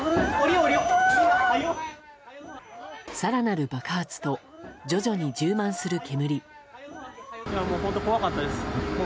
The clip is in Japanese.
更なる爆発と徐々に充満する煙。